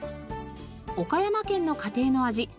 岡山県の家庭の味